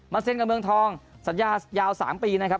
เซ็นกับเมืองทองสัญญายาว๓ปีนะครับ